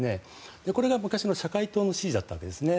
これが昔の社会党の支持だったんですね。